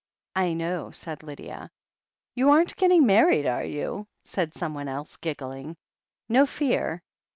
"I know," said Lydia. "You aren't getting married, are you?" said some one else, giggling. "No fear."